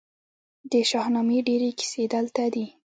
د شاهنامې ډیرې کیسې دلته دي